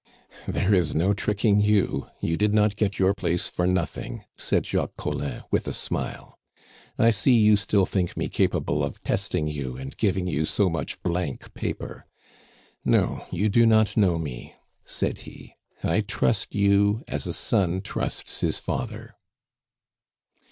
"There is no tricking you; you did not get your place for nothing!" said Jacques Collin, with a smile. "I see you still think me capable of testing you and giving you so much blank paper. No; you do not know me," said he. "I trust you as a son trusts his father."